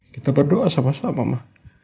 kita berdoa sama sama mah